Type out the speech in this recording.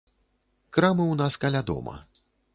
Крамы ў нас каля дома.